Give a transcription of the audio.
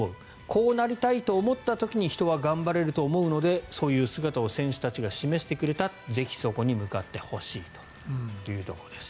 こうなりたいと思った時に人は頑張れると思うのでそういう姿を選手たちが示してくれたぜひそこに向かってほしいというところです。